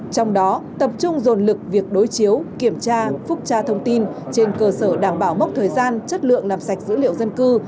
trong đó tập trung dồn lực việc đối chiếu kiểm tra phúc tra thông tin trên cơ sở đảm bảo mốc thời gian chất lượng làm sạch dữ liệu dân cư